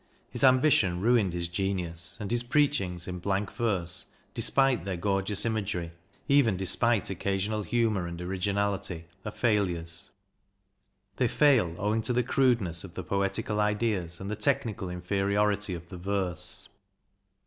His ambition ruined his genius, and his preachings in blank verse, despite their gorge ous imagery, even despite occasional humour and originality, are failures. They fail owing to the crude ness of the poetical ideas and the technical inferiority of the verse.